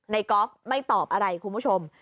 กอล์ฟไม่ตอบอะไรคุณผู้ชม